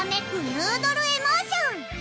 ヌードル・エモーション！